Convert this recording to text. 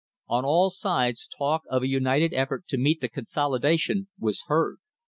On all sides talk of a united effort to meet the consolidation was heard.